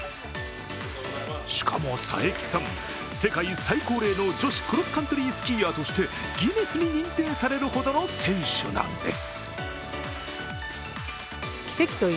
しかも佐伯さん、世界最高齢の女子クロスカントリースキーヤーとしてギネスに認定されるほどの選手なんです。